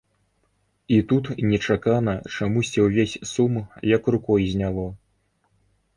І тут нечакана чамусьці ўвесь сум як рукой зняло.